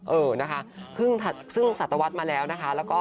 เออนะคะซึ่งสัตวัสดิ์มาแล้วนะคะ